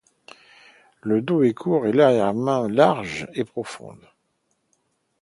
Le dos est court et l'arrière-main large et profonde.